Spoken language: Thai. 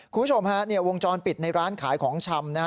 คุณผู้ชมฮะเนี่ยวงจรปิดในร้านขายของชำนะฮะ